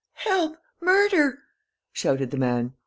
"Help! Murder!" shouted the man.